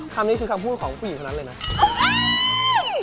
คำนี้คือคำพูดของผู้หญิงคนนั้นเลยนะ